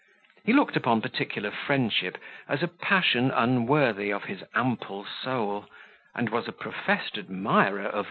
He looked upon particular friendship as a passion unworthy of his ample soul, and was a professed admirer of L.